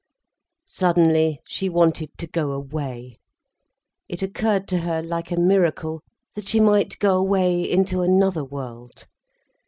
Suddenly she wanted to go away. It occurred to her, like a miracle, that she might go away into another world.